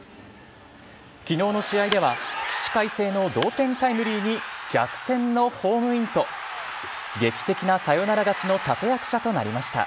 きのうの試合では、起死回生の同点タイムリーに逆転のホームインと、劇的なサヨナラ勝ちの立て役者となりました。